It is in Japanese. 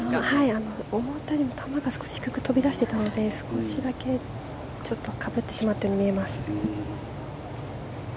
思ったよりも球が少し低く飛び出していたので少しだけかぶってしまったように見えます。